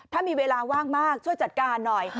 ถ้ามีเวลาว่างมากช่วยจัดการหน่อย